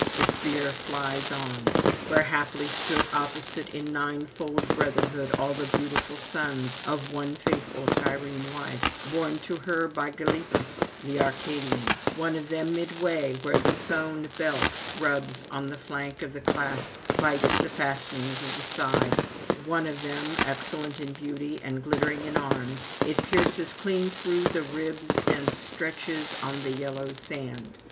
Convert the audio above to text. The spear flies on; where haply stood opposite in ninefold brotherhood all the beautiful sons of one faithful Tyrrhene wife, borne of her to Gylippus the Arcadian, one of them, midway where the sewn belt rubs on the flank and the clasp bites the fastenings of the side, one of them, excellent in beauty and glittering in arms, it pierces clean through the ribs and stretches on the yellow sand.